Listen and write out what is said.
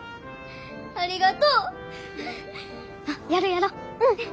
ありがとう。